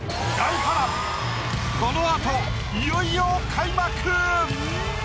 この後いよいよ開幕。